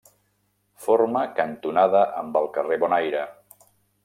Forma cantonada amb el carrer Bon Aire.